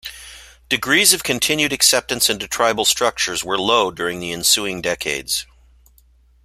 Degrees of continued acceptance into tribal structures were low during the ensuing decades.